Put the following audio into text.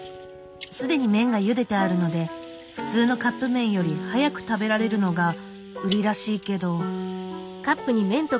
既に麺がゆでてあるので普通のカップ麺より早く食べられるのが売りらしいけど。